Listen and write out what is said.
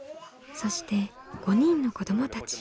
そして５人の子どもたち。